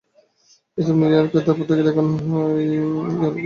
একসময় নিউইয়র্ক নগরে দাপট দেখানো সেই ইয়েলো ক্যাবই কঠিন সংকটের মুখে।